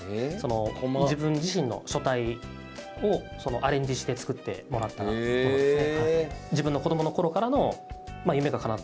自分自身の書体をアレンジして作ってもらったものですね。